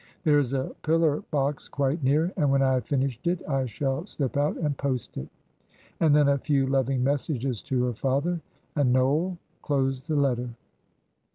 There is a pillar box quite near, and when I have finished it I shall slip out and post it." And then a few loving messages to her father and Noel closed the letter.